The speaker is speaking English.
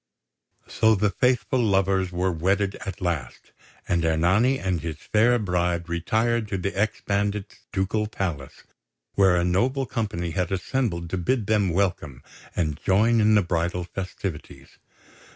So the faithful lovers were wedded at last; and Ernani and his fair bride retired to the ex bandit's ducal palace, where a noble company had assembled to bid them welcome and join in the bridal festivities.